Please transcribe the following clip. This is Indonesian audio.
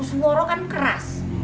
suara kan keras